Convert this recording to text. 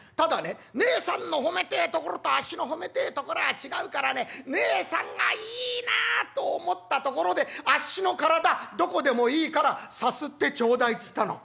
「『ただねねえさんの褒めてえところとあっしの褒めてえところは違うからねねえさんがいいなあと思ったところであっしの体どこでもいいからさすってちょうだい』っつったの」。